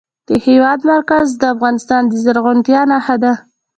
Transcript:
د هېواد مرکز د افغانستان د زرغونتیا نښه ده.